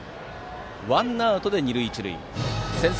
ワンアウトで二塁一塁先制